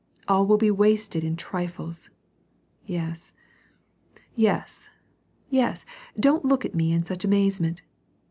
All will be wasted in trifles. Yes, yes, yes ! Don't look at me in such amazement.